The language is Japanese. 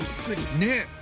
ねっ。